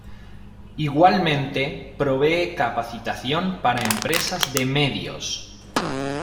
Igualmente provee capacitación para empresas de medios.